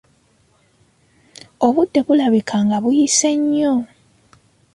Obudde bulabika nga buyise nnyo!